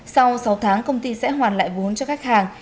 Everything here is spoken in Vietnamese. sau sáu tháng công ty sẽ hoàn lại vốn cho khách hàng